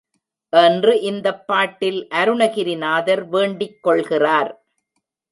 என்று இந்தப் பாட்டில் அருணகிரிநாதர் வேண்டிக் கொள்கிறார்.